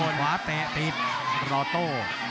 แกงขวาเตะปิดรอโต้